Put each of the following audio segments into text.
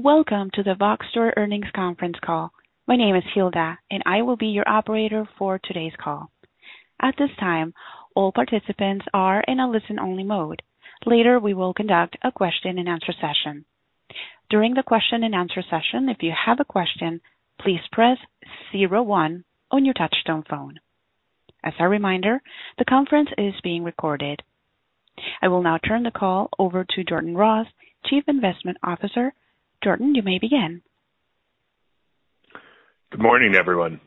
Welcome to the Voxtur Earnings Conference Call. My name is Hilda, and I will be your operator for today's call. At this time, all participants are in a listen-only mode. Later, we will conduct a question-and-answer session. During the question-and-answer session, if you have a question, please press zero one on your touchtone phone. As a reminder, the conference is being recorded. I will now turn the call over to Jordan Ross, Chief Investment Officer. Jordan, you may begin. Good morning, everyone.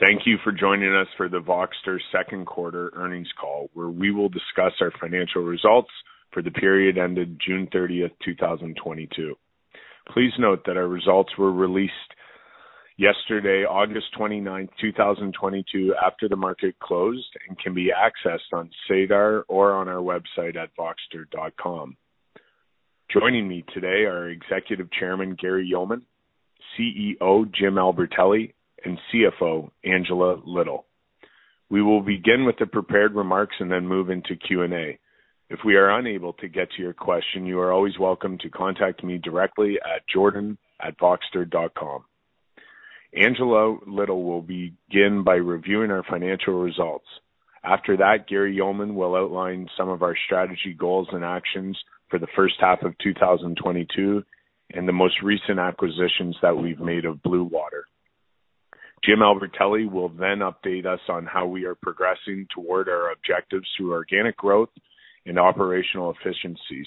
Thank you for joining us for the Voxtur second quarter earnings call, where we will discuss our financial results for the period ended June 30th, 2022. Please note that our results were released yesterday, August 29, 2022, after the market closed and can be accessed on SEDAR or on our website at voxtur.com. Joining me today are Executive Chairman Gary Yeoman, CEO Jim Albertelli, and CFO Angela Little. We will begin with the prepared remarks and then move into Q&A. If we are unable to get to your question, you are always welcome to contact me directly at jordan@voxtur.com. Angela Little will begin by reviewing our financial results. After that, Gary Yeoman will outline some of our strategy goals and actions for the first half of 2022 and the most recent acquisitions that we've made of Blue Water. Jim Albertelli will then update us on how we are progressing toward our objectives through organic growth and operational efficiencies.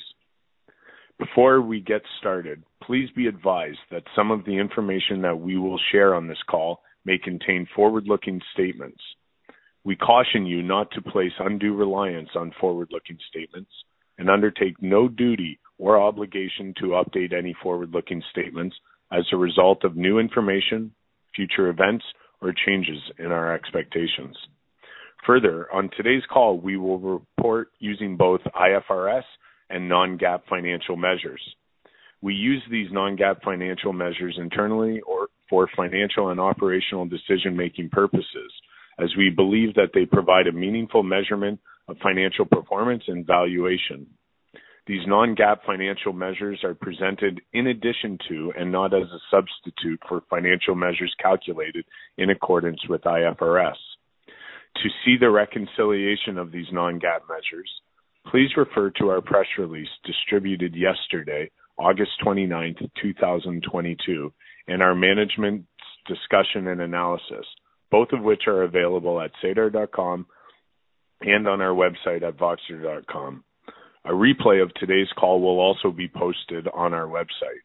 Before we get started, please be advised that some of the information that we will share on this call may contain forward-looking statements. We caution you not to place undue reliance on forward-looking statements and undertake no duty or obligation to update any forward-looking statements as a result of new information, future events, or changes in our expectations. Further, on today's call, we will report using both IFRS and non-GAAP financial measures. We use these non-GAAP financial measures internally or for financial and operational decision-making purposes, as we believe that they provide a meaningful measurement of financial performance and valuation. These non-GAAP financial measures are presented in addition to and not as a substitute for financial measures calculated in accordance with IFRS. To see the reconciliation of these non-GAAP measures, please refer to our press release distributed yesterday, August 29th, 2022, and our management's discussion and analysis, both of which are available at SEDAR.com and on our website at voxtur.com. A replay of today's call will also be posted on our website.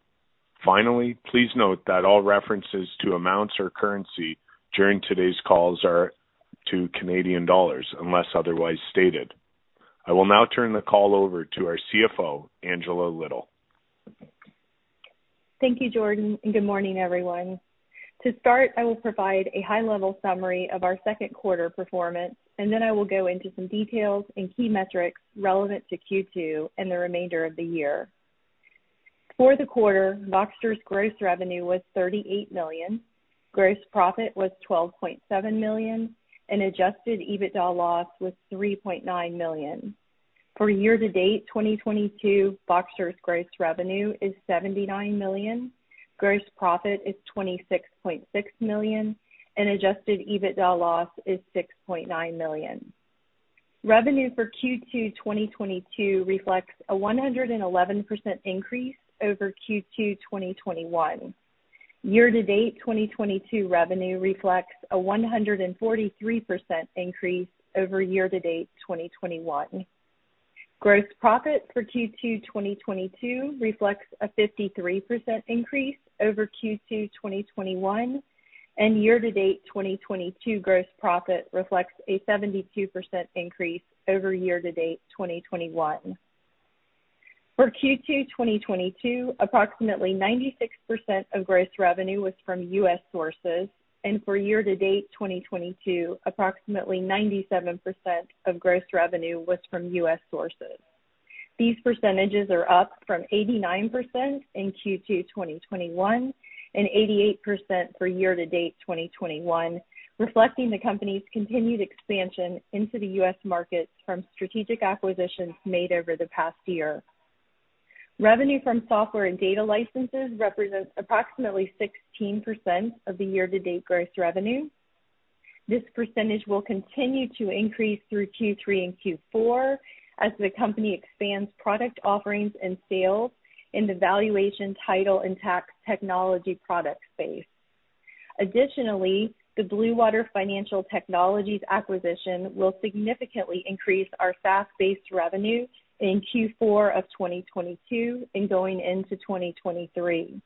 Finally, please note that all references to amounts or currency during today's calls are to Canadian dollars, unless otherwise stated. I will now turn the call over to our CFO, Angela Little. Thank you, Jordan, and good morning, everyone. To start, I will provide a high-level summary of our second quarter performance, and then I will go into some details and key metrics relevant to Q2 and the remainder of the year. For the quarter, Voxtur's gross revenue was 38 million, gross profit was 12.7 million, and Adjusted EBITDA loss was 3.9 million. For year-to-date 2022, Voxtur's gross revenue is 79 million, gross profit is 26.6 million, and Adjusted EBITDA loss is 6.9 million. Revenue for Q2 2022 reflects a 111% increase over Q2 2021. Year-to-date 2022 revenue reflects a 143% increase over year-to-date 2021. Gross profit for Q2 2022 reflects a 53% increase over Q2 2021, and year-to-date 2022 gross profit reflects a 72% increase over year-to-date 2021. For Q2 2022, approximately 96% of gross revenue was from U.S. sources, and for year-to-date 2022, approximately 97% of gross revenue was from U.S. sources. These percentages are up from 89% in Q2 2021 and 88% for year-to-date 2021, reflecting the company's continued expansion into the U.S. markets from strategic acquisitions made over the past year. Revenue from software and data licenses represents approximately 16% of the year-to-date gross revenue. This percentage will continue to increase through Q3 and Q4 as the company expands product offerings and sales in the valuation, title, and tax technology product space. The BlueWater Financial Technologies acquisition will significantly increase our SaaS-based revenue in Q4 of 2022 and going into 2023.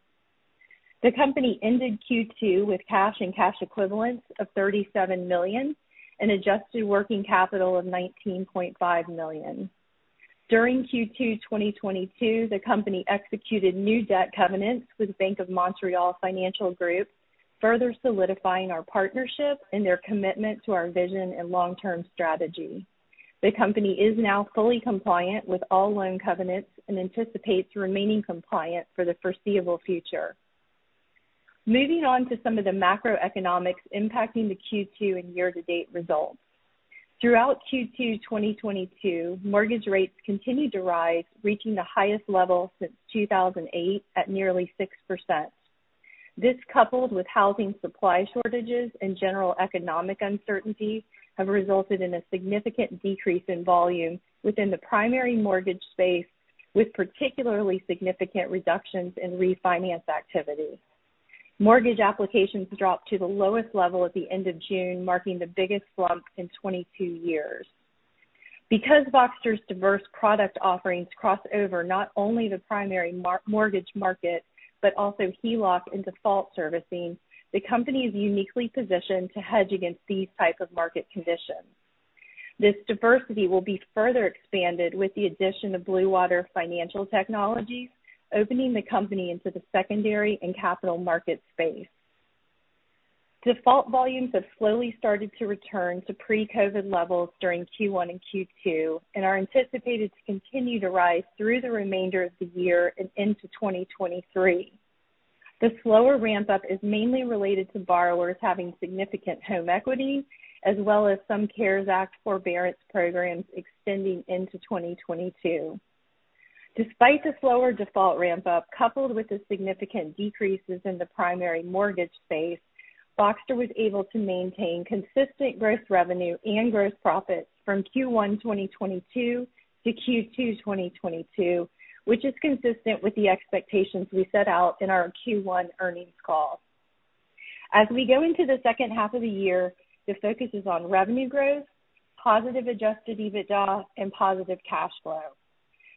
The company ended Q2 with cash and cash equivalents of 37 million and adjusted working capital of 19.5 million. During Q2 2022, the company executed new debt covenants with BMO Financial Group, further solidifying our partnership and their commitment to our vision and long-term strategy. The company is now fully compliant with all loan covenants and anticipates remaining compliant for the foreseeable future. Moving on to some of the macroeconomics impacting the Q2 and year-to-date results. Throughout Q2 2022, mortgage rates continued to rise, reaching the highest level since 2008 at nearly 6%. This, coupled with housing supply shortages and general economic uncertainty, have resulted in a significant decrease in volume within the primary mortgage space, with particularly significant reductions in refinance activity. Mortgage applications dropped to the lowest level at the end of June, marking the biggest slump in 22 years. Because Voxtur's diverse product offerings cross over not only the primary mortgage market, but also HELOC and default servicing, the company is uniquely positioned to hedge against these type of market conditions. This diversity will be further expanded with the addition of Blue Water Financial Technologies, opening the company into the secondary and capital market space. Default volumes have slowly started to return to pre-COVID levels during Q1 and Q2, and are anticipated to continue to rise through the remainder of the year and into 2023. The slower ramp-up is mainly related to borrowers having significant home equity, as well as some CARES Act forbearance programs extending into 2022. Despite the slower default ramp-up, coupled with the significant decreases in the primary mortgage space, Voxtur was able to maintain consistent gross revenue and gross profits from Q1 2022 to Q2 2022, which is consistent with the expectations we set out in our Q1 earnings call. As we go into the second half of the year, the focus is on revenue growth, positive Adjusted EBITDA, and positive cash flow.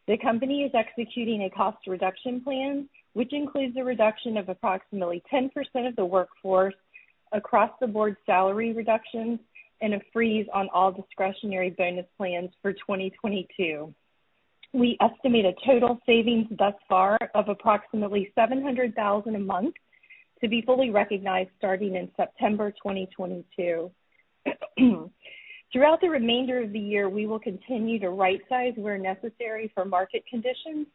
The company is executing a cost reduction plan, which includes the reduction of approximately 10% of the workforce, across-the-board salary reductions, and a freeze on all discretionary bonus plans for 2022. We estimate a total savings thus far of approximately 700,000 a month to be fully recognized starting in September 2022. Throughout the remainder of the year, we will continue to right size where necessary for market conditions,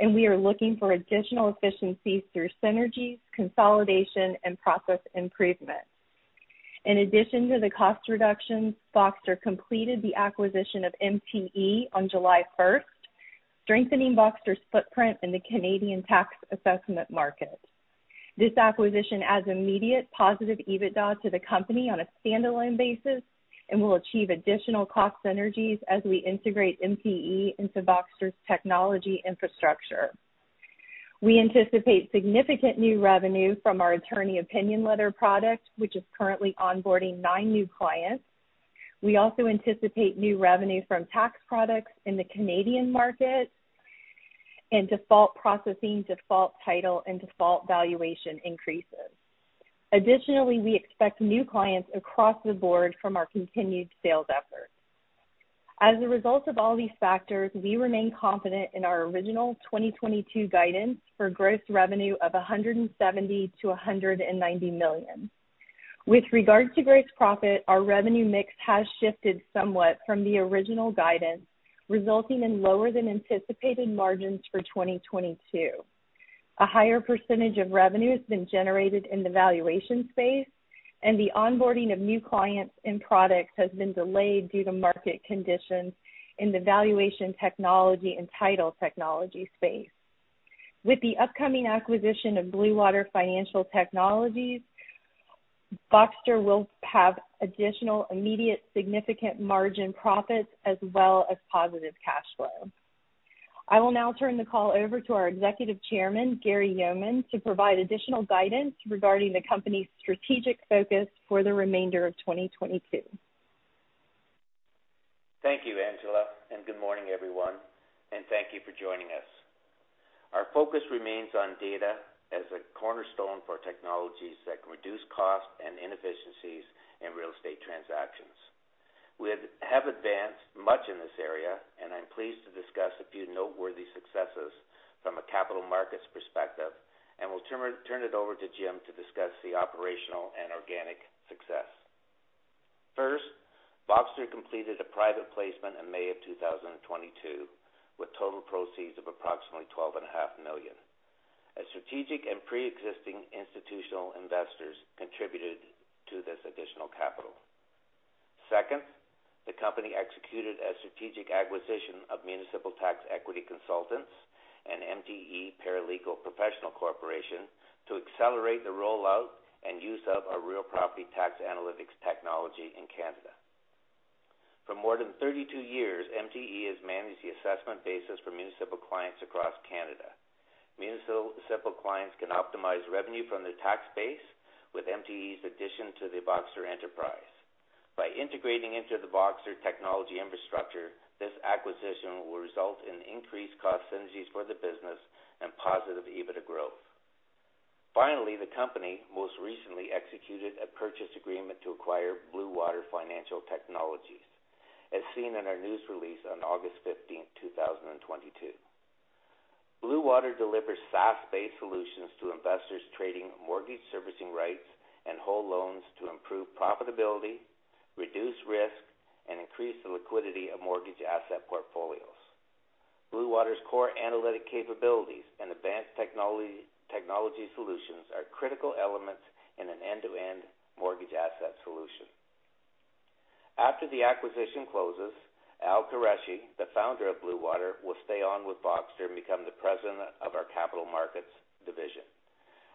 and we are looking for additional efficiencies through synergies, consolidation, and process improvement. In addition to the cost reductions, Voxtur completed the acquisition of MTE on July first, strengthening Voxtur's footprint in the Canadian tax assessment market. This acquisition adds immediate positive EBITDA to the company on a standalone basis and will achieve additional cost synergies as we integrate MTE into Voxtur's technology infrastructure. We anticipate significant new revenue from our attorney opinion letter product, which is currently onboarding nine new clients. We also anticipate new revenue from tax products in the Canadian market and default processing, default title, and default valuation increases. Additionally, we expect new clients across the board from our continued sales efforts. As a result of all these factors, we remain confident in our original 2022 guidance for gross revenue of 170 million-190 million. With regards to gross profit, our revenue mix has shifted somewhat from the original guidance, resulting in lower than anticipated margins for 2022. A higher percentage of revenue has been generated in the valuation space, and the onboarding of new clients and products has been delayed due to market conditions in the valuation technology and title technology space. With the upcoming acquisition of Blue Water Financial Technologies, Voxtur will have additional immediate significant margin profits as well as positive cash flow. I will now turn the call over to our executive chairman, Gary Yeoman, to provide additional guidance regarding the company's strategic focus for the remainder of 2022. Thank you, Angela, and good morning, everyone, and thank you for joining us. Our focus remains on data as a cornerstone for technologies that can reduce costs and inefficiencies in real estate transactions. We have advanced much in this area, and I'm pleased to discuss a few noteworthy successes from a capital markets perspective, and will turn it over to Jim to discuss the operational and organic success. First, Voxtur completed a private placement in May of 2022 with total proceeds of approximately 12.5 million. Our strategic and pre-existing institutional investors contributed to this additional capital. Second, the company executed a strategic acquisition of Municipal Tax Equity Consultants Inc. and MTE Paralegal Professional Corporation to accelerate the rollout and use of our real property tax analytics technology in Canada. For more than 32 years, MTE has managed the assessment basis for municipal clients across Canada. Municipal clients can optimize revenue from their tax base with MTE's addition to the Voxtur enterprise. By integrating into the Voxtur technology infrastructure, this acquisition will result in increased cost synergies for the business and positive EBITDA growth. Finally, the company most recently executed a purchase agreement to acquire Blue Water Financial Technologies, as seen in our news release on August fifteenth, 2022. Blue Water delivers SaaS-based solutions to investors trading mortgage servicing rights and whole loans to improve profitability, reduce risk, and increase the liquidity of mortgage asset portfolios. Blue Water's core analytic capabilities and advanced technology solutions are critical elements in an end-to-end mortgage asset solution. After the acquisition closes, Al Qureshi, the founder of Blue Water, will stay on with Voxtur and become the president of our capital markets division.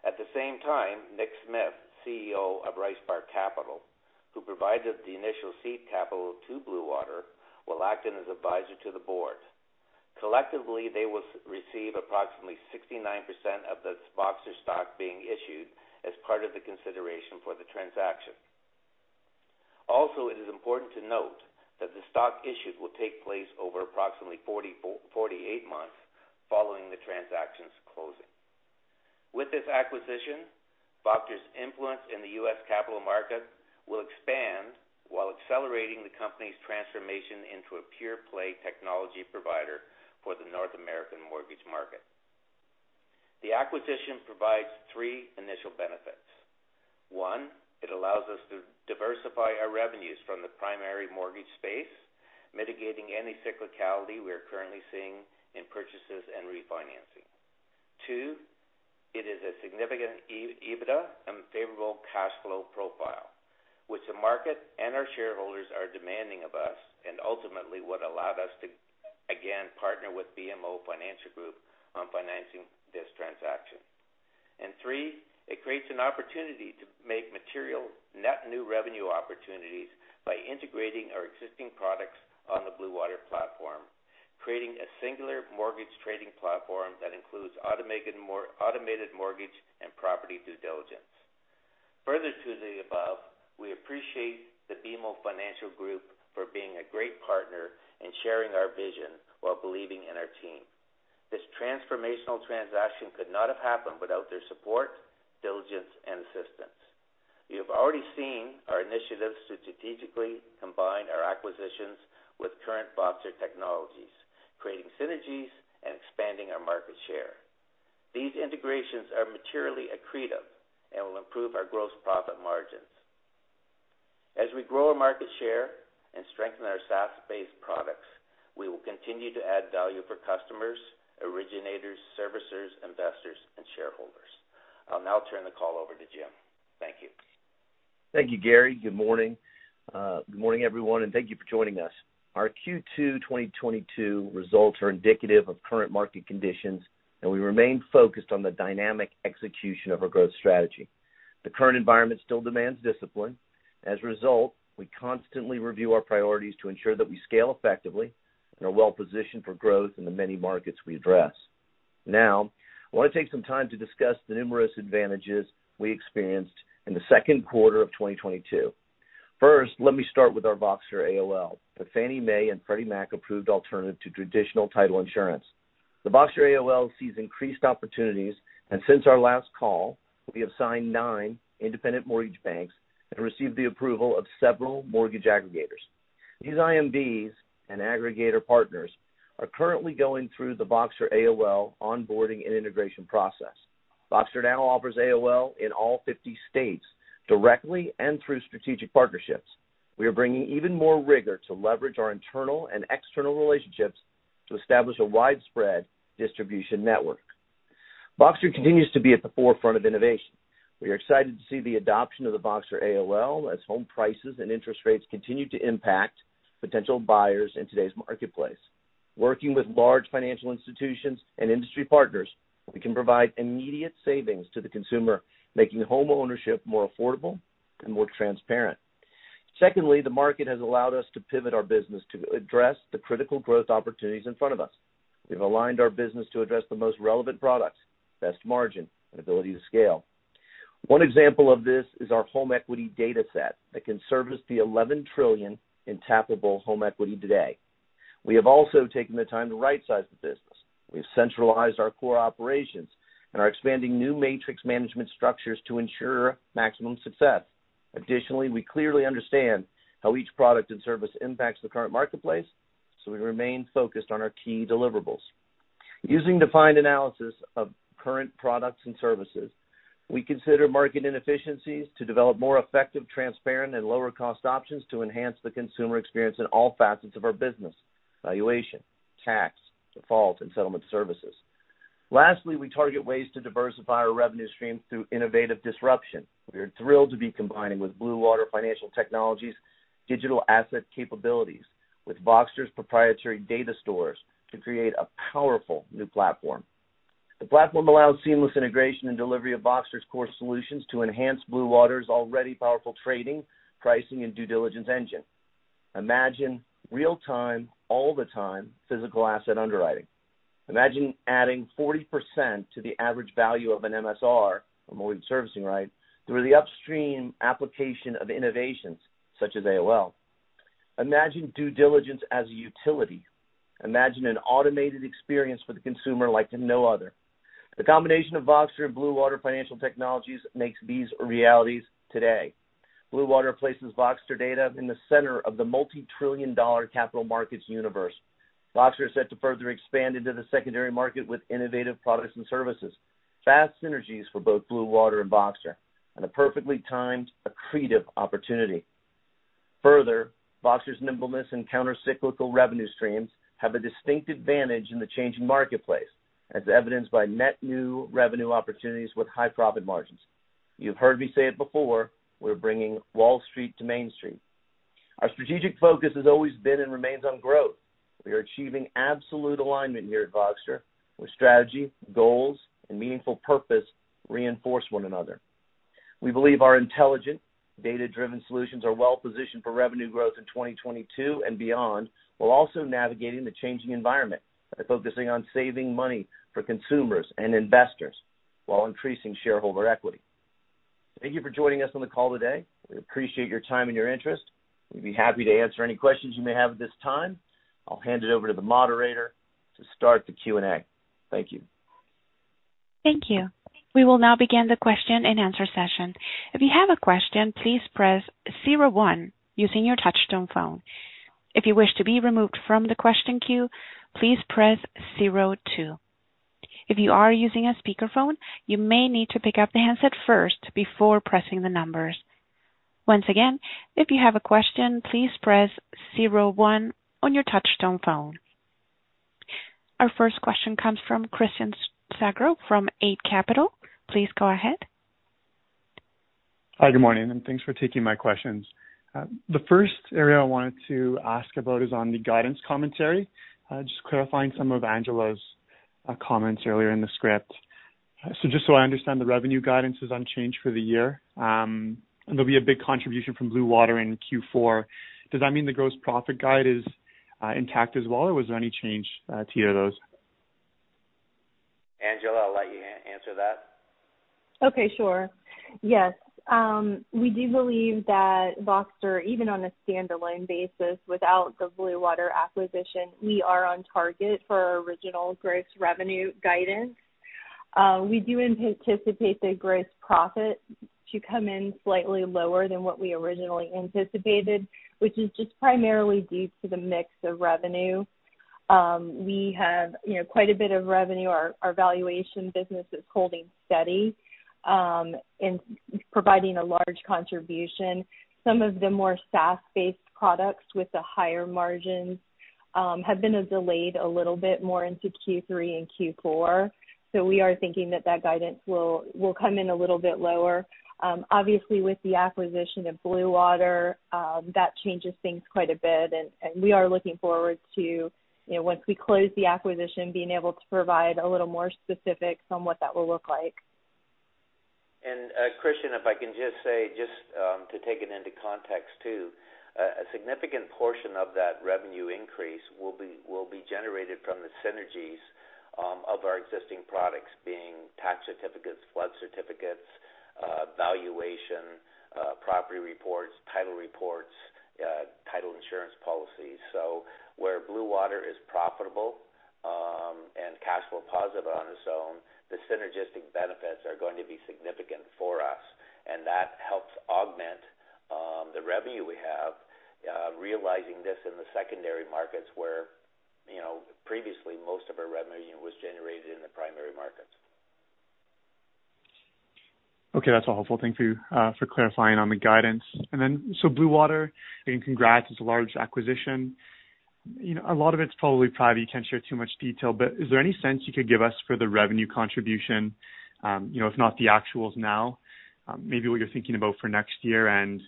At the same time, Nick Smith, CEO of Rice Park Capital, who provided the initial seed capital to Blue Water Financial Technologies, will act as an advisor to the board. Collectively, they will receive approximately 69% of the Voxtur stock being issued as part of the consideration for the transaction. It is important to note that the stock issued will take place over approximately 48 months following the transaction's closing. With this acquisition, Voxtur's influence in the U.S. capital market will expand while accelerating the company's transformation into a pure-play technology provider for the North American mortgage market. The acquisition provides three initial benefits. One, it allows us to diversify our revenues from the primary mortgage space, mitigating any cyclicality we are currently seeing in purchases and refinancing. Two, it is a significant EBITDA and favorable cash flow profile, which the market and our shareholders are demanding of us, and ultimately what allowed us to, again, partner with BMO Financial Group on financing this transaction. Three, it creates an opportunity to make material net new revenue opportunities by integrating our existing products on the Blue Water platform, creating a singular mortgage trading platform that includes automated mortgage and property due diligence. Further to the above, we appreciate the BMO Financial Group for being a great partner in sharing our vision while believing in our team. This transformational transaction could not have happened without their support, diligence, and assistance. You have already seen our initiatives to strategically combine our acquisitions with current Voxtur technologies, creating synergies and expanding our market share. These integrations are materially accretive and will improve our gross profit margins. As we grow our market share and strengthen our SaaS-based products, we will continue to add value for customers, originators, servicers, investors, and shareholders. I'll now turn the call over to Jim. Thank you. Thank you, Gary. Good morning. Good morning, everyone, and thank you for joining us. Our Q2 2022 results are indicative of current market conditions, and we remain focused on the dynamic execution of our growth strategy. The current environment still demands discipline. As a result, we constantly review our priorities to ensure that we scale effectively and are well-positioned for growth in the many markets we address. Now, I want to take some time to discuss the numerous advantages we experienced in the second quarter of 2022. First, let me start with our Voxtur AOL, the Fannie Mae and Freddie Mac approved alternative to traditional title insurance. The Voxtur AOL sees increased opportunities, and since our last call, we have signed nine independent mortgage banks and received the approval of several mortgage aggregators. These IMBs and aggregator partners are currently going through the Voxtur AOL onboarding and integration process. Voxtur now offers AOL in all 50 states directly and through strategic partnerships. We are bringing even more rigor to leverage our internal and external relationships to establish a widespread distribution network. Voxtur continues to be at the forefront of innovation. We are excited to see the adoption of the Voxtur AOL as home prices and interest rates continue to impact potential buyers in today's marketplace. Working with large financial institutions and industry partners, we can provide immediate savings to the consumer, making homeownership more affordable and more transparent. Secondly, the market has allowed us to pivot our business to address the critical growth opportunities in front of us. We've aligned our business to address the most relevant products, best margin, and ability to scale. One example of this is our home equity data set that can service the $11 trillion in tappable home equity today. We have also taken the time to right-size the business. We've centralized our core operations and are expanding new matrix management structures to ensure maximum success. Additionally, we clearly understand how each product and service impacts the current marketplace, so we remain focused on our key deliverables. Using defined analysis of current products and services, we consider market inefficiencies to develop more effective, transparent, and lower-cost options to enhance the consumer experience in all facets of our business, valuation, tax, default, and settlement services. Lastly, we target ways to diversify our revenue streams through innovative disruption. We are thrilled to be combining with Blue Water Financial Technologies' digital asset capabilities with Voxtur's proprietary data stores to create a powerful new platform. The platform allows seamless integration and delivery of Voxtur's core solutions to enhance Blue Water's already powerful trading, pricing, and due diligence engine. Imagine real-time, all-the-time physical asset underwriting. Imagine adding 40% to the average value of an MSR, a mortgage servicing right, through the upstream application of innovations such as AOL. Imagine due diligence as a utility. Imagine an automated experience for the consumer like no other. The combination of Voxtur and Blue Water Financial Technologies makes these realities today. Blue Water places Voxtur data in the center of the multi-trillion dollar capital markets universe. Voxtur is set to further expand into the secondary market with innovative products and services. Vast synergies for both Blue Water and Voxtur, and a perfectly timed accretive opportunity. Further, Voxtur's nimbleness and countercyclical revenue streams have a distinct advantage in the changing marketplace, as evidenced by net new revenue opportunities with high profit margins. You've heard me say it before, we're bringing Wall Street to Main Street. Our strategic focus has always been and remains on growth. We are achieving absolute alignment here at Voxtur, where strategy, goals, and meaningful purpose reinforce one another. We believe our intelligent data-driven solutions are well positioned for revenue growth in 2022 and beyond, while also navigating the changing environment by focusing on saving money for consumers and investors while increasing shareholder equity. Thank you for joining us on the call today. We appreciate your time and your interest. We'd be happy to answer any questions you may have at this time. I'll hand it over to the moderator to start the Q&A. Thank you. Thank you. We will now begin the question-and-answer session. If you have a question, please press zero one using your touchtone phone. If you wish to be removed from the question queue, please press zero two. If you are using a speakerphone, you may need to pick up the handset first before pressing the numbers. Once again, if you have a question, please press zero one on your touchtone phone. Our first question comes from Christian Sgro from Eight Capital. Please go ahead. Hi, good morning, and thanks for taking my questions. The first area I wanted to ask about is on the guidance commentary, just clarifying some of Angela's comments earlier in the script. Just so I understand, the revenue guidance is unchanged for the year, and there'll be a big contribution from Blue Water in Q4. Does that mean the gross profit guide is intact as well, or was there any change to either of those? Angela, I'll let you answer that. Okay, sure. Yes. We do believe that Voxtur, even on a standalone basis without the Blue Water acquisition, we are on target for our original gross revenue guidance. We do anticipate the gross profit to come in slightly lower than what we originally anticipated, which is just primarily due to the mix of revenue. We have, you know, quite a bit of revenue. Our valuation business is holding steady, and providing a large contribution. Some of the more SaaS-based products with the higher margins have been delayed a little bit more into Q3 and Q4. We are thinking that that guidance will come in a little bit lower. Obviously with the acquisition of Blue Water, that changes things quite a bit. We are looking forward to, you know, once we close the acquisition, being able to provide a little more specifics on what that will look like. Christian, if I can just say, to take it into context too, a significant portion of that revenue increase will be generated from the synergies of our existing products, being tax certificates, flood certificates, valuation, property reports, title reports, title insurance policies. Where Blue Water is profitable and cash flow positive on its own, the synergistic benefits are going to be significant for us, and that helps augment the revenue we have, realizing this in the secondary markets where, you know, previously most of our revenue was generated in the primary markets. Okay. That's all helpful. Thank you for clarifying on the guidance. Blue Water, again, congrats. It's a large acquisition. You know, a lot of it's probably private, you can't share too much detail, but is there any sense you could give us for the revenue contribution? You know, if not the actuals now, maybe what you're thinking about for next year and,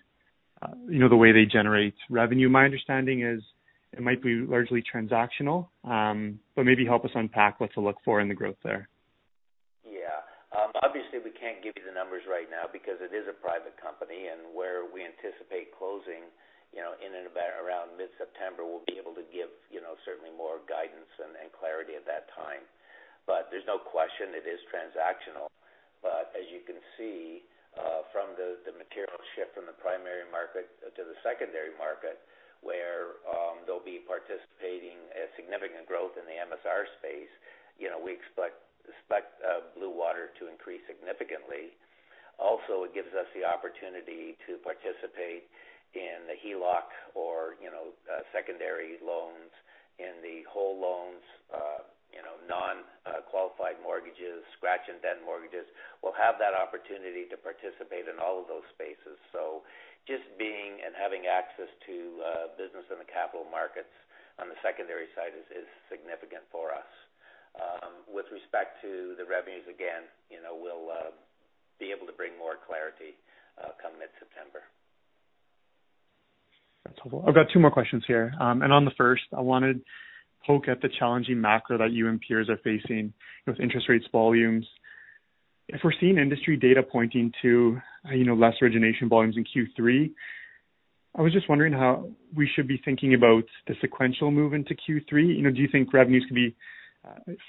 you know, the way they generate revenue. My understanding is it might be largely transactional, but maybe help us unpack what to look for in the growth there. Yeah. Obviously we can't give you the numbers right now because it is a private company. Where we anticipate closing, you know, in and about around mid-September, we'll be able to give, you know, certainly more guidance and clarity at that time. There's no question it is transactional. As you can see from the material shift from the primary market to the secondary market, where they'll be participating in a significant growth in the MSR space, you know, we expect Blue Water to increase significantly. Also, it gives us the opportunity to participate in the HELOC or, you know, secondary loans in the whole loans, you know, non-qualified mortgages, scratch and dent mortgages. We'll have that opportunity to participate in all of those spaces. Just being and having access to business in the capital markets on the secondary side is significant for us. With respect to the revenues, again, you know, we'll be able to bring more clarity come mid-September. That's helpful. I've got two more questions here. On the first, I wanna poke at the challenging macro that you and peers are facing with interest rates, volumes. If we're seeing industry data pointing to, you know, less origination volumes in Q3, I was just wondering how we should be thinking about the sequential move into Q3. You know, do you think revenues could be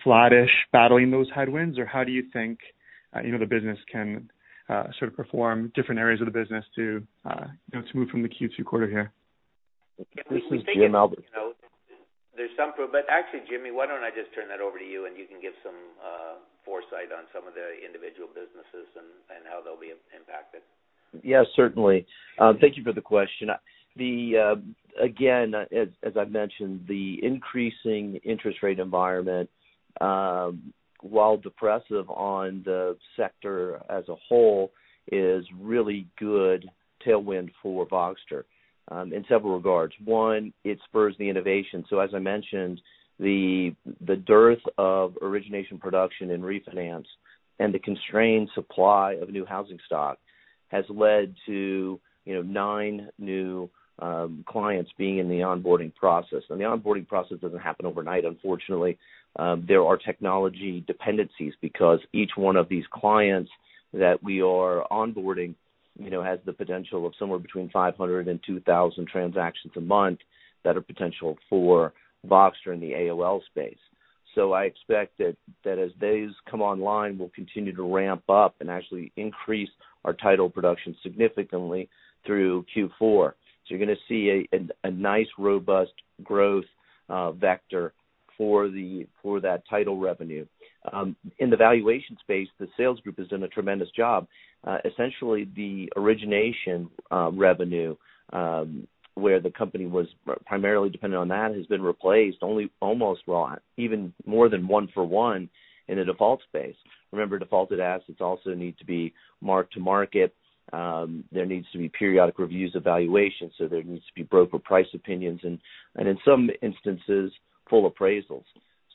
flattish battling those headwinds, or how do you think, you know, the business can sort of perform different areas of the business to, you know, to move from the Q2 quarter here? Actually, Jim, why don't I just turn that over to you and you can give some foresight on some of the individual businesses and how they'll be impacted. Yeah, certainly. Thank you for the question. Again, as I mentioned, the increasing interest rate environment, while depressive on the sector as a whole, is really good tailwind for Voxtur, in several regards. One, it spurs the innovation. As I mentioned, the dearth of origination production and refinance and the constrained supply of new housing stock has led to, you know, nine new clients being in the onboarding process. The onboarding process doesn't happen overnight, unfortunately. There are technology dependencies because each one of these clients that we are onboarding, you know, has the potential of somewhere between 500-2,000 transactions a month that are potential for Voxtur in the AOL space. I expect that as those come online, we'll continue to ramp up and actually increase our title production significantly through Q4. You're gonna see a nice robust growth vector for that title revenue. In the valuation space, the sales group has done a tremendous job. Essentially the origination revenue, where the company was primarily dependent on that, has been replaced almost one-for-one, even more than one-for-one in the default space. Remember, defaulted assets also need to be marked to market. There needs to be periodic reviews evaluation, so there needs to be broker price opinions and in some instances, full appraisals.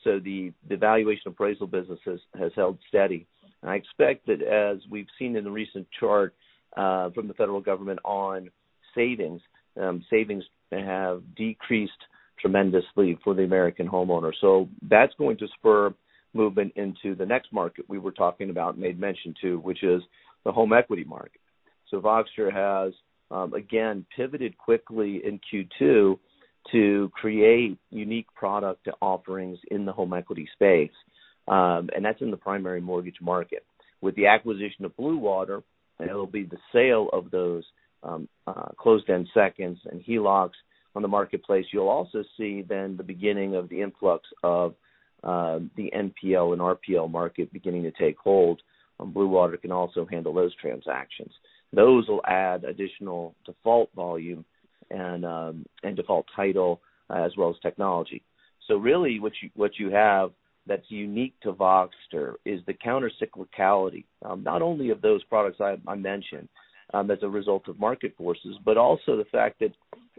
The valuation appraisal business has held steady. I expect that as we've seen in the recent chart from the federal government on savings have decreased tremendously for the American homeowner. That's going to spur movement into the next market we were talking about and made mention to, which is the home equity market. Voxtur has again pivoted quickly in Q2 to create unique product offerings in the home equity space, and that's in the primary mortgage market. With the acquisition of Blue Water, it'll be the sale of those closed-end seconds and HELOCs on the marketplace. You'll also see then the beginning of the influx of the NPL and RPL market beginning to take hold, and Blue Water can also handle those transactions. Those will add additional default volume and default title as well as technology. Really what you have that's unique to Voxtur is the countercyclicality, not only of those products I mentioned, as a result of market forces, but also the fact that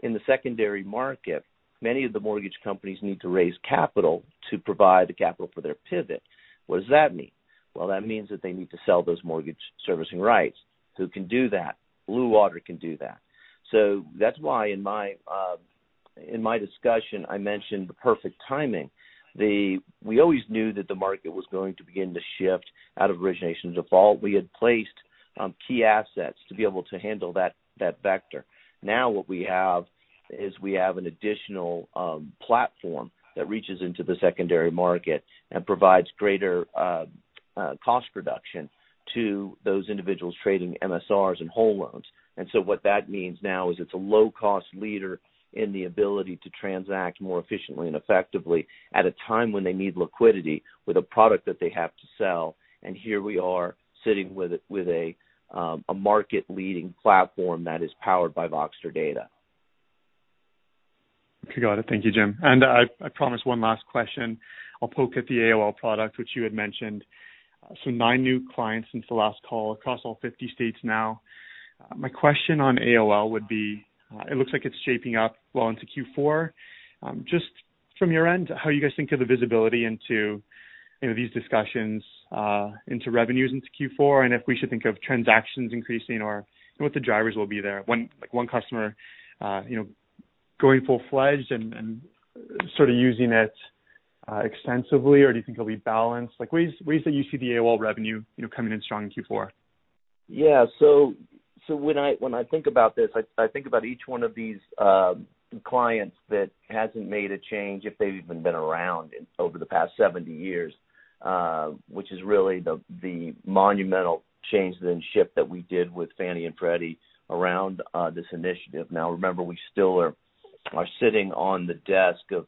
in the secondary market, many of the mortgage companies need to raise capital to provide the capital for their pivot. What does that mean? Well, that means that they need to sell those mortgage servicing rights. Who can do that? Blue Water can do that. That's why in my discussion, I mentioned the perfect timing. We always knew that the market was going to begin to shift out of origination default. We had placed key assets to be able to handle that vector. Now what we have is we have an additional platform that reaches into the secondary market and provides greater cost reduction to those individuals trading MSRs and whole loans. What that means now is it's a low-cost leader in the ability to transact more efficiently and effectively at a time when they need liquidity with a product that they have to sell, and here we are sitting with a market-leading platform that is powered by Voxtur data. Okay. Got it. Thank you, Jim. I promised one last question. I'll poke at the AOL product, which you had mentioned. Nine new clients since the last call across all 50 states now. My question on AOL would be, it looks like it's shaping up well into Q4. Just from your end, how you guys think of the visibility into, you know, these discussions, into revenues into Q4, and if we should think of transactions increasing or what the drivers will be there. One customer, you know, going full-fledged and sort of using it, extensively, or do you think it'll be balanced? Like what is the Voxtur AOL revenue, you know, coming in strong in Q4? Yeah. When I think about this, I think about each one of these clients that hasn't made a change, if they've even been around over the past 70 years, which is really the monumental change then shift that we did with Fannie Mae and Freddie Mac around this initiative. Now remember, we still are sitting on the desk of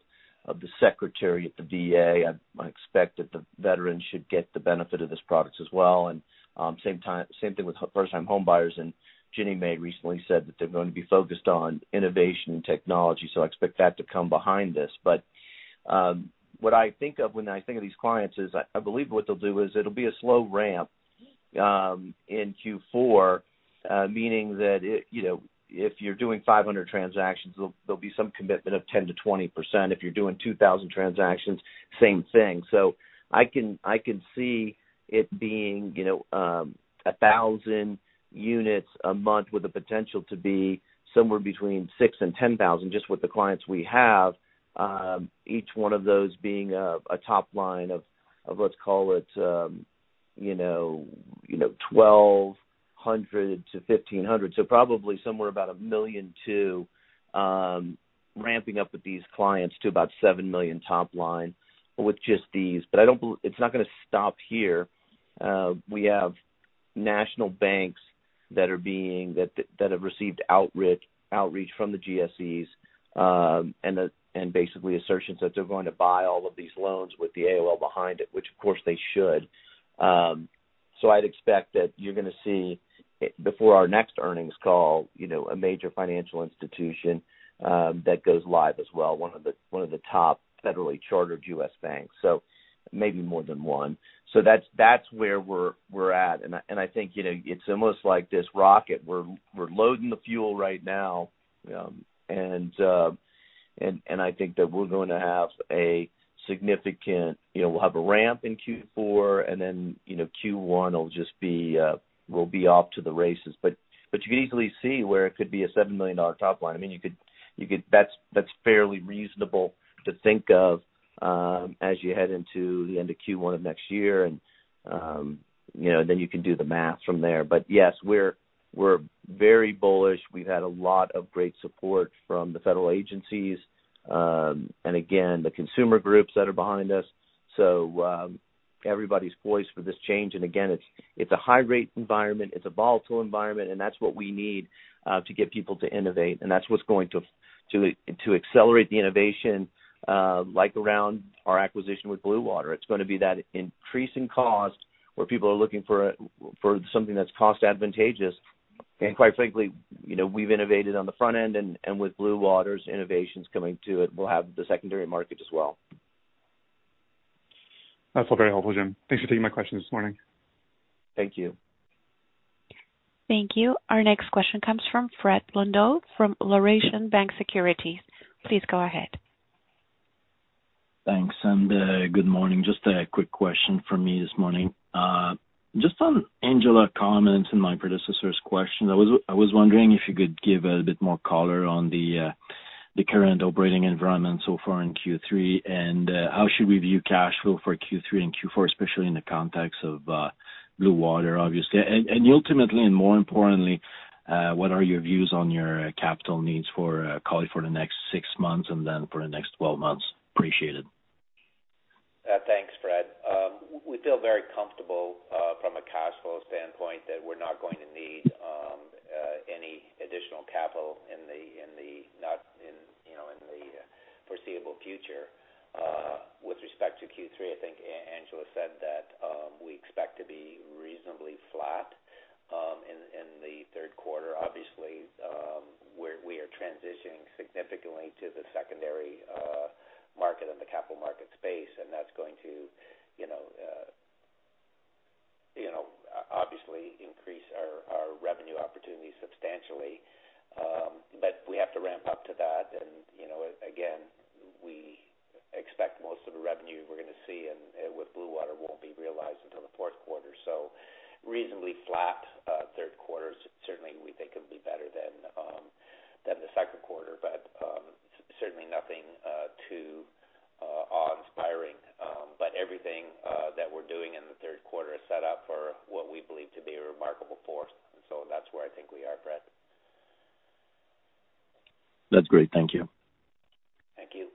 the secretary at the VA. I expect that the veterans should get the benefit of this product as well. Same time, same thing with first-time home buyers. Ginnie Mae recently said that they're going to be focused on innovation and technology, so I expect that to come behind this. What I think of when I think of these clients is I believe what they'll do is it'll be a slow ramp in Q4, meaning that you know, if you're doing 500 transactions, there'll be some commitment of 10%-20%. If you're doing 2,000 transactions, same thing. I can see it being you know 1,000 units a month with the potential to be somewhere between 6,000-10,000 just with the clients we have, each one of those being a top line of let's call it you know 1,200-1,500. So probably somewhere about 1.2 million ramping up with these clients to about 7 million top line with just these. But I don't. It's not gonna stop here. We have national banks that have received outreach from the GSEs, and basically assertions that they're going to buy all of these loans with the AOL behind it, which of course they should. I'd expect that you're gonna see before our next earnings call, you know, a major financial institution that goes live as well, one of the top federally chartered U.S. banks, so maybe more than one. That's where we're at. I think, you know, it's almost like this rocket. We're loading the fuel right now. I think that we're going to have a significant ramp. You know, we'll have a ramp in Q4, and then, you know, Q1 will just be, we'll be off to the races. But you could easily see where it could be a 7 million dollar top line. I mean, you could. That's fairly reasonable to think of, as you head into the end of Q1 of next year. You know, then you can do the math from there. Yes, we're very bullish. We've had a lot of great support from the federal agencies, and again, the consumer groups that are behind us. Everybody's voice for this change, and again, it's a high rate environment, it's a volatile environment, and that's what we need to get people to innovate. That's what's going to to accelerate the innovation, like around our acquisition with Blue Water. It's gonna be that increasing cost where people are looking for something that's cost advantageous. Quite frankly, you know, we've innovated on the front end and with Blue Water's innovations coming to it, we'll have the secondary market as well. That's all very helpful, Jim. Thanks for taking my questions this morning. Thank you. Thank you. Our next question comes from Frédéric Blondeau from Laurentian Bank Securities. Please go ahead. Thanks, good morning. Just a quick question from me this morning. Just on Angela's comments and my predecessor's question, I was wondering if you could give a bit more color on the current operating environment so far in Q3. How should we view cash flow for Q3 and Q4, especially in the context of Blue Water, obviously. Ultimately and more importantly, what are your views on your capital needs for Voxtur for the next 6 months and then for the next 12 months? Appreciate it. Thanks, Fred. We feel very comfortable from a cash flow standpoint that we're not going to need any additional capital in the foreseeable future. With respect to Q3, I think Angela said that we expect to be reasonably flat in the third quarter. Obviously, we are transitioning significantly to the secondary market and the capital market space, and that's going to, you know, obviously increase our revenue opportunities substantially. But we have to ramp up to that. And, you know, again, we expect most of the revenue we're gonna see and with Blue Water won't be realized until the fourth quarter. Reasonably flat third quarter. Certainly, we think it'll be better than the second quarter, but certainly nothing too awe-inspiring. Everything that we're doing in the third quarter is set up for what we believe to be a remarkable fourth. That's where I think we are, Fred. That's great. Thank you. Thank you.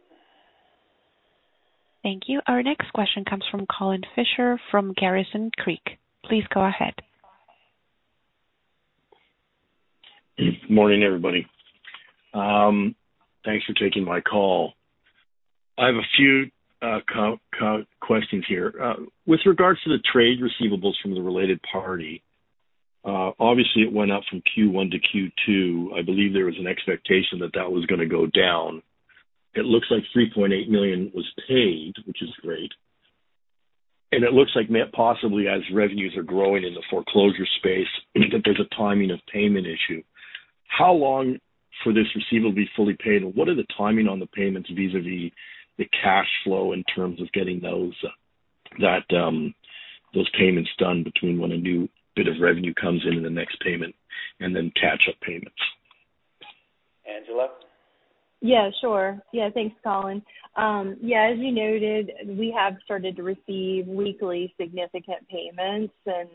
Thank you. Our next question comes from Colin Fisher from Garrison Creek. Please go ahead. Morning, everybody. Thanks for taking my call. I have a few questions here. With regards to the trade receivables from the related party, obviously it went up from Q1 to Q2. I believe there was an expectation that that was gonna go down. It looks like 3.8 million was paid, which is great. It looks like net possibly as revenues are growing in the foreclosure space, that there's a timing of payment issue. How long for this receivable to be fully paid? What are the timing on the payments vis-à-vis the cash flow in terms of getting those payments done between when a new bit of revenue comes in and the next payment and then catch-up payments? Angela? Yeah, sure. Yeah. Thanks, Colin. Yeah, as you noted, we have started to receive weekly significant payments, and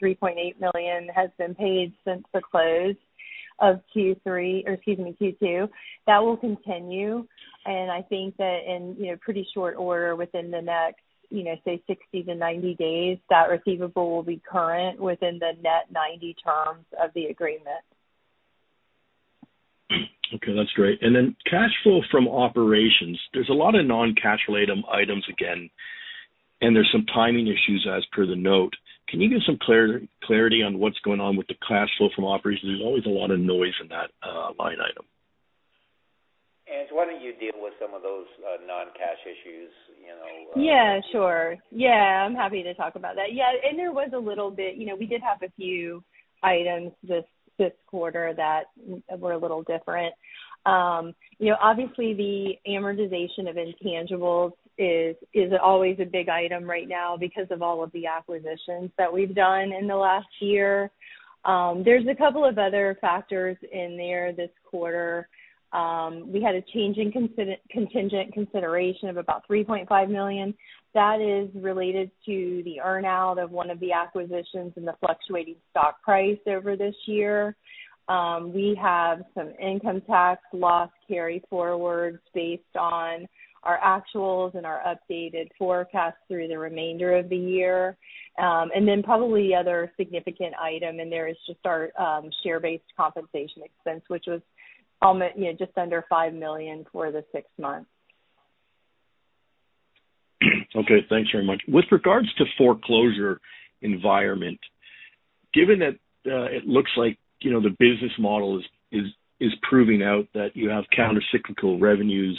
3.8 million has been paid since the close of Q2. That will continue. I think that in, you know, pretty short order within the next, you know, say 60-90 days, that receivable will be current within the net ninety terms of the agreement. Okay, that's great. Cash flow from operations. There's a lot of non-cash related items again, and there's some timing issues as per the note. Can you give some clarity on what's going on with the cash flow from operations? There's always a lot of noise in that line item. Ange, why don't you deal with some of those non-cash issues, you know? Yeah, sure. Yeah, I'm happy to talk about that. Yeah, there was a little bit. You know, we did have a few items this quarter that were a little different. You know, obviously the amortization of intangibles is always a big item right now because of all of the acquisitions that we've done in the last year. There's a couple of other factors in there this quarter. We had a change in contingent consideration of about 3.5 million. That is related to the earn-out of one of the acquisitions and the fluctuating stock price over this year. We have some income tax loss carry-forwards based on our actuals and our updated forecast through the remainder of the year. Probably the other significant item in there is just our share-based compensation expense, which was, you know, just under 5 million for the six months. Okay. Thanks very much. With regards to foreclosure environment, given that, it looks like, you know, the business model is proving out that you have countercyclical revenues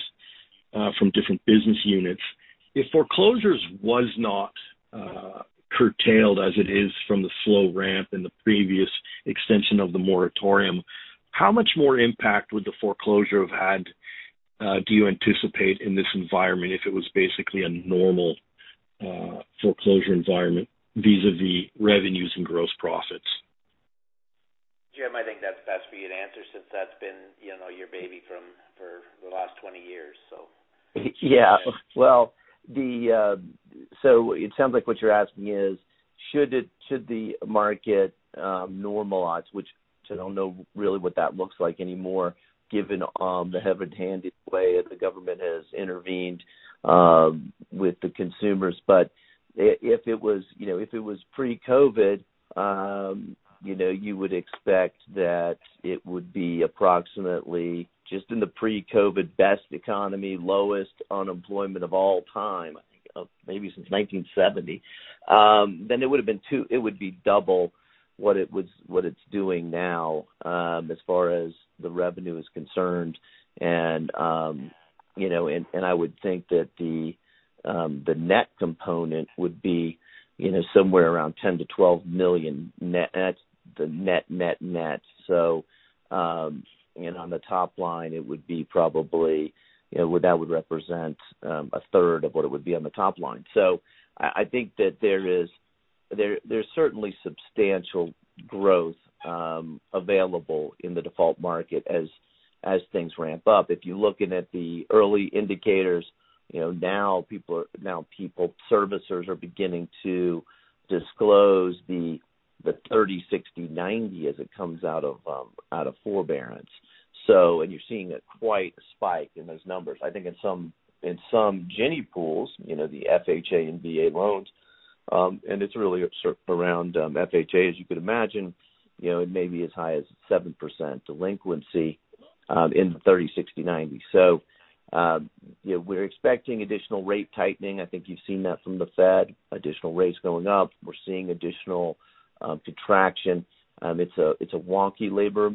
from different business units. If foreclosures was not curtailed as it is from the slow ramp in the previous extension of the moratorium, how much more impact would the foreclosure have had, do you anticipate in this environment if it was basically a normal foreclosure environment vis-a-vis revenues and gross profits? Jim, I think that's best for you to answer since that's been, you know, your baby for the last 20 years. So. It sounds like what you're asking is should the market normalize, which I don't know really what that looks like anymore, given the heavy-handed way the government has intervened with the consumers. If it was pre-COVID, you know, you would expect that it would be approximately just in the pre-COVID best economy, lowest unemployment of all time, I think, maybe since 1970, it would be double what it's doing now as far as the revenue is concerned. I would think that the net component would be, you know, somewhere around 10-12 million net. That's the net, net. On the top line, it would be probably, you know, that would represent a third of what it would be on the top line. I think that there's certainly substantial growth available in the default market as things ramp up. If you're looking at the early indicators, you know, servicers are beginning to disclose the 30, 60, 90 as it comes out of forbearance. You're seeing quite a spike in those numbers. I think in some Ginnie Mae pools, you know, the FHA and VA loans, and it's really sort of around FHA, as you could imagine. You know, it may be as high as 7% delinquency in the 30, 60, 90. You know, we're expecting additional rate tightening. I think you've seen that from the Fed, additional rates going up. We're seeing additional contraction. It's a wonky labor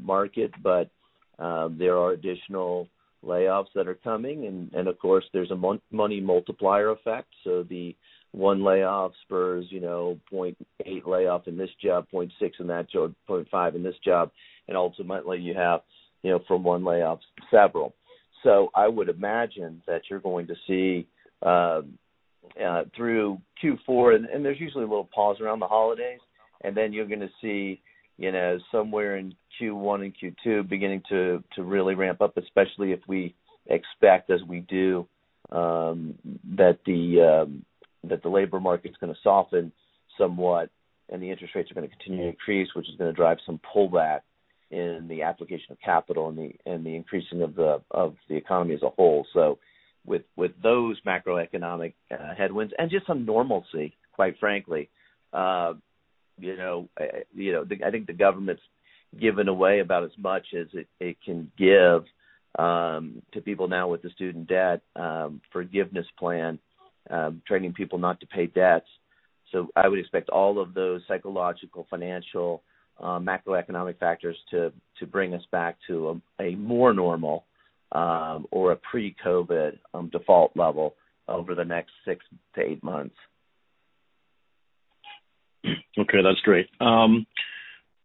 market, but there are additional layoffs that are coming. Of course there's a money multiplier effect. The one layoff spurs, you know, 0.8 layoff in this job, 0.6 in that job, 0.5 in this job. Ultimately you have, you know, from one layoff, several. I would imagine that you're going to see through Q4, and there's usually a little pause around the holidays, and then you're gonna see, you know, somewhere in Q1 and Q2 beginning to really ramp up, especially if we expect as we do that the labor market's gonna soften somewhat and the interest rates are gonna continue to increase, which is gonna drive some pullback in the application of capital and the increasing of the economy as a whole. With those macroeconomic headwinds and just some normalcy, quite frankly, you know, I think the government's given away about as much as it can give to people now with the student debt forgiveness plan, training people not to pay debts. I would expect all of those psychological, financial, macroeconomic factors to bring us back to a more normal or a pre-COVID default level over the next 6-8 months. Okay. That's great.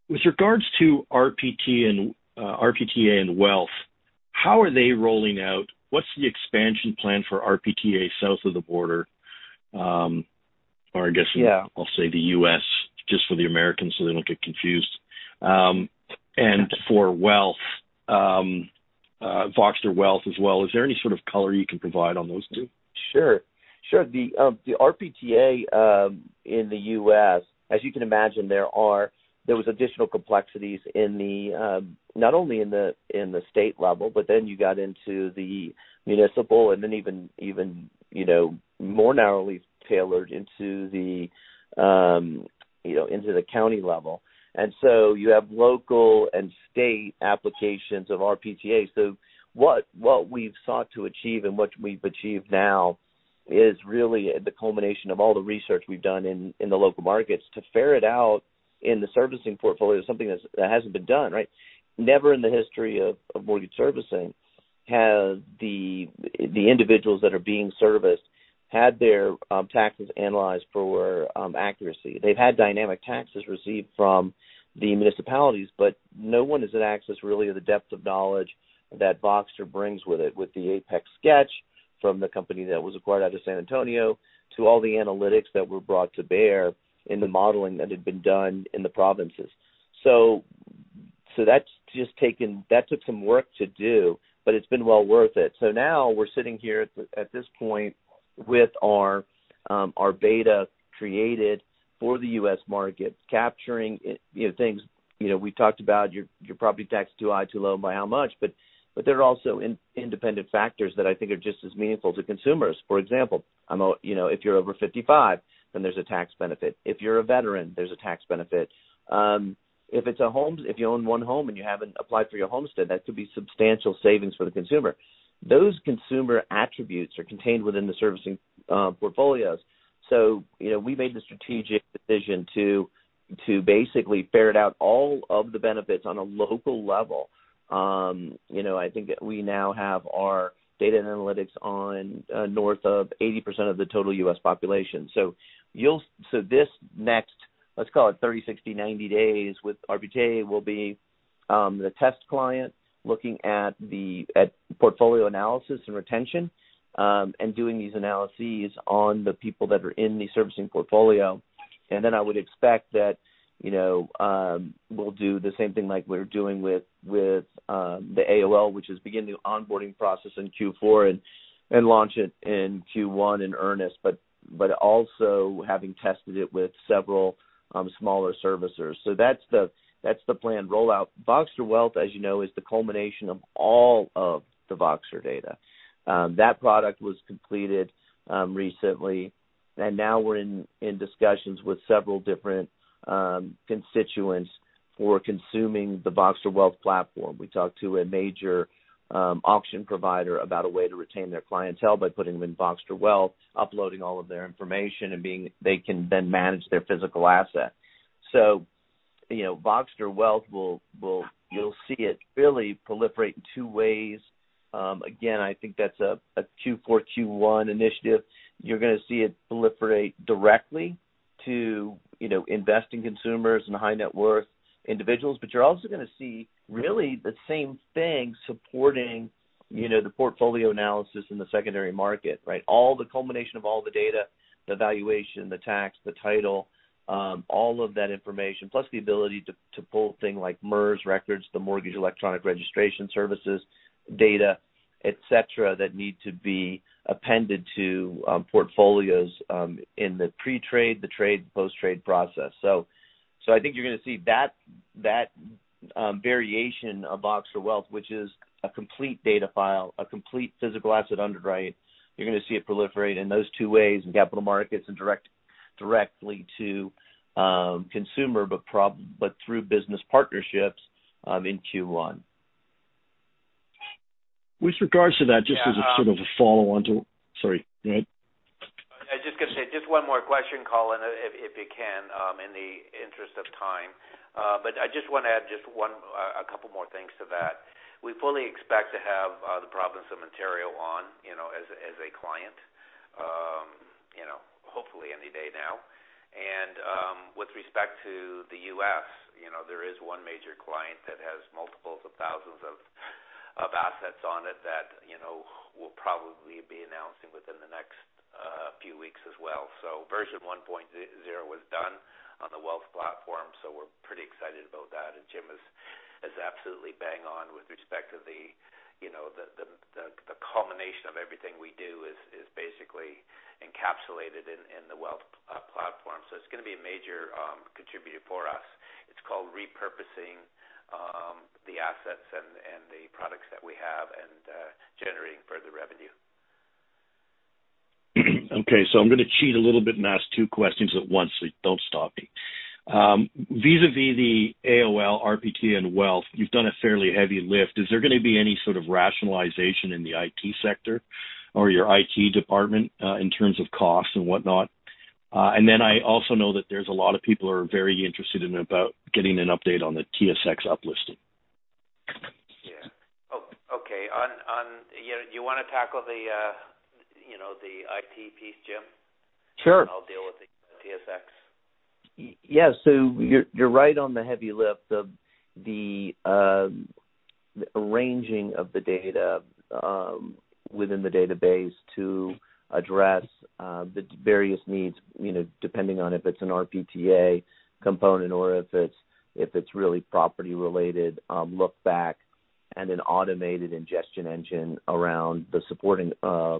With regards to RPT and RPTA and wealth, how are they rolling out? What's the expansion plan for RPTA south of the border? Yeah. I'll say the U.S. just for the Americans, so they don't get confused. For wealth, VoxturWealth as well. Is there any sort of color you can provide on those two? Sure. The RPTA in the U.S., as you can imagine, there was additional complexities in not only the state level, but then you got into the municipal and then even you know more narrowly tailored into you know the county level. You have local and state applications of RPTA. What we've sought to achieve and what we've achieved now is really the culmination of all the research we've done in the local markets to ferret out in the servicing portfolio something that hasn't been done, right? Never in the history of mortgage servicing has the individuals that are being serviced had their taxes analyzed for accuracy. They've had dynamic taxes received from the municipalities, but no one has had access really to the depth of knowledge that Voxtur brings with it, with the Apex Sketch from the company that was acquired out of San Antonio to all the analytics that were brought to bear in the modeling that had been done in the provinces. That took some work to do, but it's been well worth it. Now we're sitting here at this point with our beta created for the U.S. markets, capturing, you know, things. You know, we talked about your property tax too high, too low by how much, but there are also independent factors that I think are just as meaningful to consumers. For example, you know, if you're over 55, then there's a tax benefit. If you're a veteran, there's a tax benefit. If you own one home and you haven't applied for your homestead, that could be substantial savings for the consumer. Those consumer attributes are contained within the servicing portfolios. You know, we made the strategic decision to basically ferret out all of the benefits on a local level. You know, I think that we now have our data and analytics on north of 80% of the total U.S. population. This next, let's call it 30, 60, 90 days with RPTA will be the test client looking at the portfolio analysis and retention and doing these analyses on the people that are in the servicing portfolio. Then I would expect that, you know, we'll do the same thing like we're doing with the AOL, which is begin the onboarding process in Q4 and launch it in Q1 in earnest. But also having tested it with several smaller servicers. That's the planned rollout. VoxturWealth, as you know, is the culmination of all of the Voxtur data. That product was completed recently, and now we're in discussions with several different constituents for consuming the VoxturWealth platform. We talked to a major auction provider about a way to retain their clientele by putting them in VoxturWealth, uploading all of their information. They can then manage their physical asset. You know, VoxturWealth will. You'll see it really proliferate in two ways. Again, I think that's a Q4, Q1 initiative. You're gonna see it proliferate directly to, you know, investing consumers and high net worth individuals. You're also gonna see really the same thing supporting, you know, the portfolio analysis in the secondary market, right? All the culmination of all the data, the valuation, the tax, the title, all of that information, plus the ability to pull things like MERS records, the Mortgage Electronic Registration Systems data, et cetera, that need to be appended to portfolios in the pre-trade, the trade, post-trade process. I think you're gonna see that variation of VoxturWealth, which is a complete data file, a complete physical asset underwrite. You're gonna see it proliferate in those two ways in capital markets and directly to consumer, but through business partnerships in Q1. Sorry, go ahead. I was just gonna say just one more question, Colin, if you can, in the interest of time. I just want to add a couple more things to that. We fully expect to have the province of Ontario on, you know, as a client, you know, hopefully any day now. With respect to the U.S., you know, there is one major client that has multiples of thousands of assets on it that, you know, we'll probably be announcing within the next few weeks as well. Version 1.0 was done on the wealth platform, so we're pretty excited about that. Jim is absolutely bang on with respect to the, you know, the culmination of everything we do is basically encapsulated in the wealth platform. It's gonna be a major contributor for us. It's called repurposing the assets and the products that we have and generating further revenue. Okay, so I'm gonna cheat a little bit and ask two questions at once, so don't stop me. Vis-à-vis the AOL, RPTA and Wealth, you've done a fairly heavy lift. Is there gonna be any sort of rationalization in the IT sector or your IT department in terms of costs and whatnot? I also know that there's a lot of people who are very interested about getting an update on the TSX uplisting. Yeah. Okay. You know, do you wanna tackle the, you know, the IT piece, Jim? Sure. I'll deal with the TSX. Yes. You're right on the heavy lift of the arranging of the data within the database to address the various needs, you know, depending on if it's an RPTA component or if it's really property related, look back and an automated ingestion engine around the supporting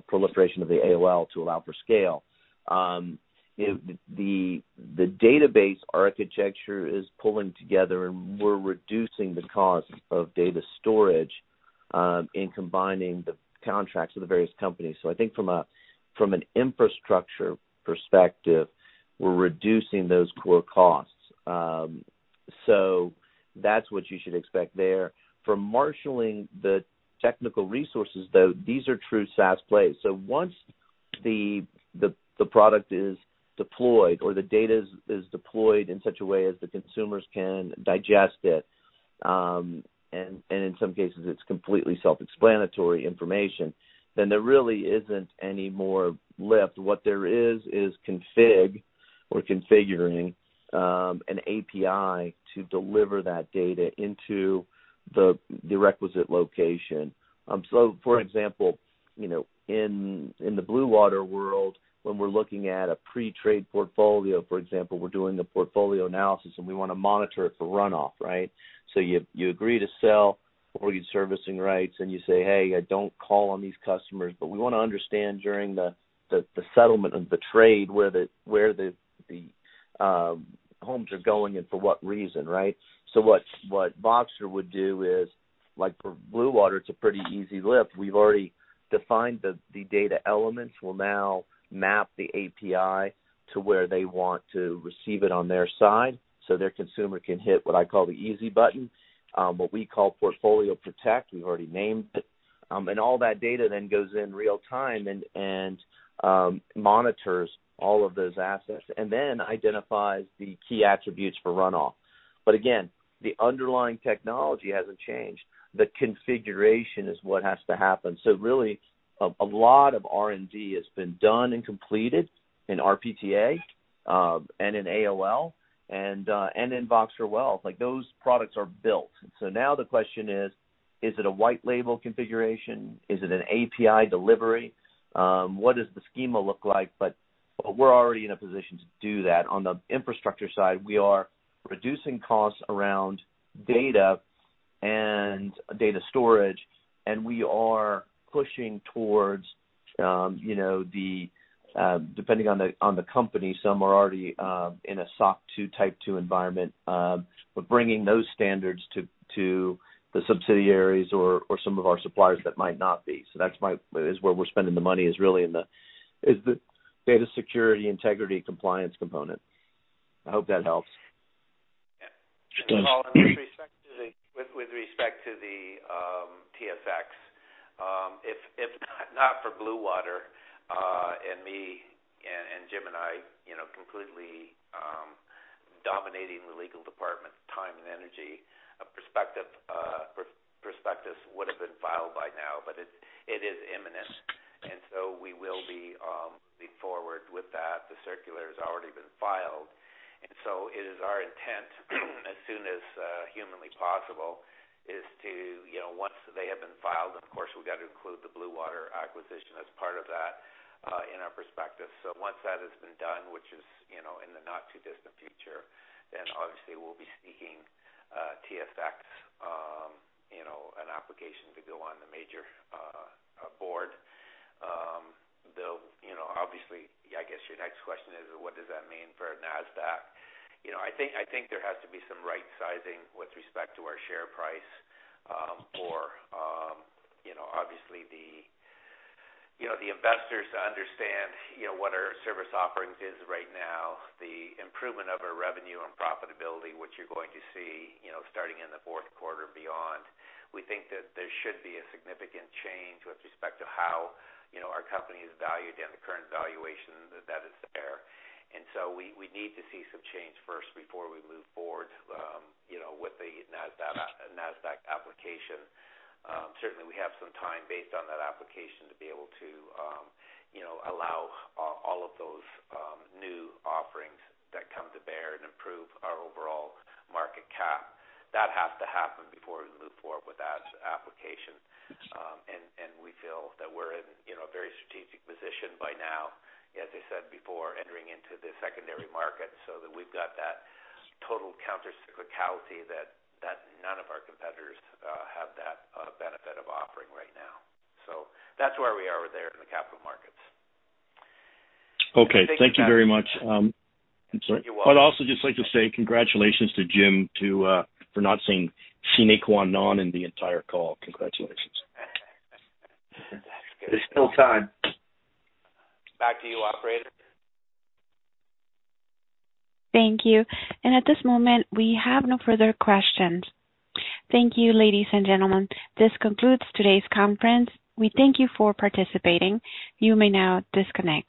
proliferation of the AOL to allow for scale. The database architecture is pulling together, and we're reducing the cost of data storage in combining the contracts of the various companies. I think from an infrastructure perspective, we're reducing those core costs. That's what you should expect there. For marshaling the technical resources, though, these are true SaaS plays. Once the product is deployed or the data is deployed in such a way as the consumers can digest it, and in some cases it's completely self-explanatory information, then there really isn't any more lift. What there is config or configuring an API to deliver that data into the requisite location. For example, you know, in the Blue Water world, when we're looking at a pre-trade portfolio, for example, we're doing a portfolio analysis, and we want to monitor it for runoff, right? You agree to sell or you're servicing rights and you say, "Hey, don't call on these customers." But we want to understand during the settlement of the trade where the homes are going and for what reason, right? What Voxtur would do is like for Blue Water, it's a pretty easy lift. We've already defined the data elements. We'll now map the API to where they want to receive it on their side, so their consumer can hit what I call the easy button, what we call Portfolio Protect. We've already named it. All that data then goes in real time and monitors all of those assets and then identifies the key attributes for runoff. Again, the underlying technology hasn't changed. The configuration is what has to happen. Really a lot of R&D has been done and completed in RPTA, and in AOL and in VoxturWealth. Like those products are built. Now the question is it a white label configuration? Is it an API delivery? What does the schema look like? We're already in a position to do that. On the infrastructure side, we are reducing costs around data and data storage, and we are pushing towards, depending on the company, some are already in a SOC 2 Type 2 environment. Bringing those standards to the subsidiaries or some of our suppliers that might not be. That's where we're spending the money. It is really the data security, integrity, compliance component. I hope that helps. Yeah. It does. With respect to the TSX, if not for Bluewater and me and Jim and I, you know, completely dominating the legal department's time and energy, a prospectus would have been filed by now. It is imminent, and so we will be forthcoming with that. The circular has already been filed, and so it is our intent, as soon as humanly possible, is to, you know, once they have been filed, and of course, we've got to include the Blue Water acquisition as part of that, in our prospectus. Once that has been done, which is, you know, in the not too distant future, then obviously we'll be seeking TSX, you know, an application to go on the major board. You know, obviously, I guess your next question is, what does that mean for Nasdaq? You know, I think there has to be some right sizing with respect to our share price, for, you know, obviously the. You know, the investors understand, you know, what our service offerings is right now. The improvement of our revenue and profitability, which you're going to see, you know, starting in the fourth quarter beyond. We think that there should be a significant change with respect to how, you know, our company is valued and the current valuation that is there. We need to see some change first before we move forward, you know, with the Nasdaq application. Certainly we have some time based on that application to be able to, you know, allow all of those new offerings that come to bear and improve our overall market cap. That has to happen before we move forward with that application. We feel that we're in, you know, a very strategic position by now, as I said before, entering into the secondary market, so that we've got that total counter-cyclicality that none of our competitors have that benefit of offering right now. That's where we are there in the capital markets. Okay. Thank you very much. You're welcome. I'd also just like to say congratulations to Jim too for not saying sine qua non in the entire call. Congratulations. There's still time. Back to you, operator. Thank you. At this moment, we have no further questions. Thank you, ladies and gentlemen. This concludes today's conference. We thank you for participating. You may now disconnect.